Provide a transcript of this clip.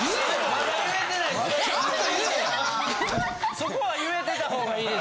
そこは言えてた方がいいです。